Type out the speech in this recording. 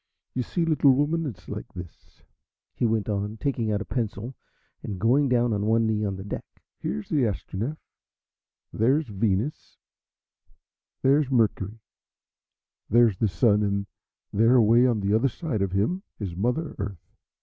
You see, little woman, it's like this," he went on, taking out a pencil and going down on one knee on the deck: "Here's the Astronef; there's Venus; there's Mercury; there's the Sun; and there, away on the other side of him, is Mother Earth.